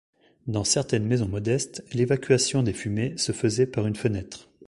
Dans certaines maisons modeste, l'évacuation des fumées se faisait par une fenêtre.